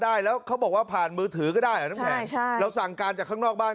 ได้แล้วเขาบอกว่าผ่านมือถือก็ได้เหรอน้ำแข็งใช่ใช่เราสั่งการจากข้างนอกบ้าน